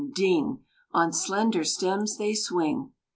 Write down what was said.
DING! On slender stems they swing.